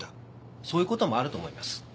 そういう事もあると思います。